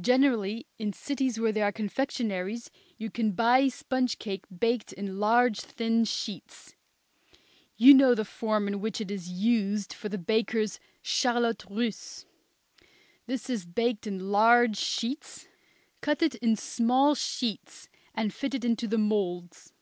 Generally, in cities where there are confectionaries, you can buy sponge cake baked in large thin sheets. You know the form in which it is used for the bakers' charlotte russe. This is baked in large sheets; cut it in small sheets and fit it into the moulds.